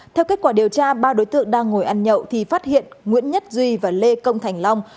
theo kết quả điều tra ba đối tượng đang ngồi ăn nhậu thì phát hiện nguyễn nhất duy và lê công thành long